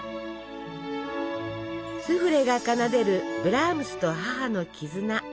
スフレが奏でるブラームスと母の絆